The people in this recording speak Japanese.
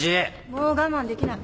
もう我慢できない。